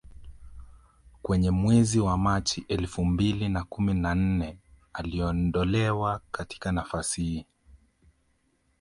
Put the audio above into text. Kwenye mwezi wa Machi elfu mbili na kumi na nne aliondolewa katika nafasi hii